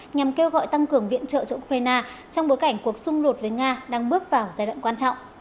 nhằm kêu gọi tăng cường viện trợ cho ukraine trong bối cảnh cuộc xung đột với nga đang bước vào giai đoạn quan trọng